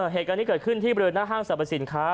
เหตุการณ์นี้เกิดขึ้นที่บริเวณหน้าห้างสรรพสินค้า